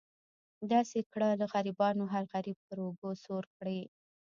داسې کړه له غریبانو هر غریب پر اوږه سور کړي.